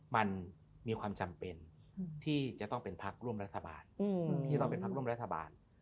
มันมีความจำเป็นที่จะต้องเป็นพักร่วมรัฐบาล